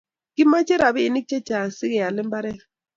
Kimache rapinik che chang si keyal imbaret